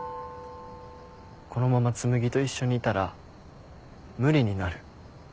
このまま紬と一緒にいたら無理になる。